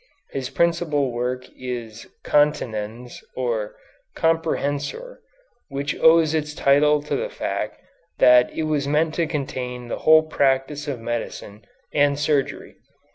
His principal work is "Continens," or "Comprehensor," which owes its title to the fact that it was meant to contain the whole practice of medicine and surgery.